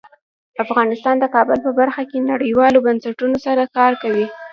افغانستان د کابل په برخه کې نړیوالو بنسټونو سره کار کوي.